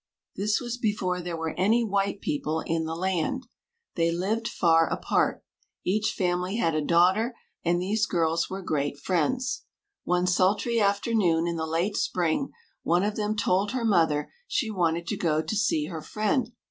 This was before there were any white people in the land. They lived far apart. Each family had a daughter, and these girls were great friends. One sultry afternoon in the late spring, one of them told her mother she wanted to go to see her friend.